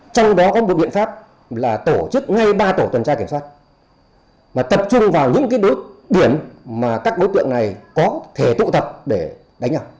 trong đó có một biện pháp là tổ chức ngay ba tổ tuần tra kiểm soát mà tập trung vào những điểm mà các đối tượng này có thể tụ tập để đánh nhau